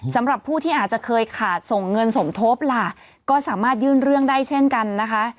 สำหรับผู้ที่ขาดส่วนเงินสมทพก็สามารถยื่นเรื่องได้เช่นกันนะคะ